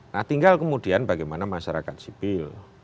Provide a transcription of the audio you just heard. nah tinggal kemudian bagaimana masyarakat sipil